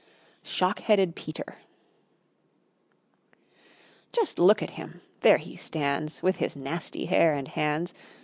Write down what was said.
Shock headed Peter Just look at him! there he stands, With his nasty hair and hands.